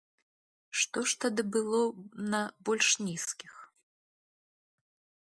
Што ж тады было на больш нізкіх?